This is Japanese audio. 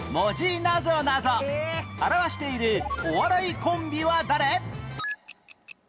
表しているお笑いコンビは誰？